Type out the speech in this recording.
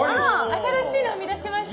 新しいの生み出しました。